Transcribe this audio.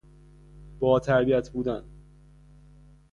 باتربیت بودن